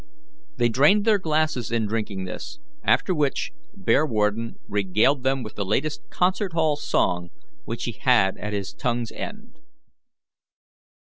They drained their glasses in drinking this, after which Bearwarden regaled them with the latest concert hall song which he had at his tongue's end.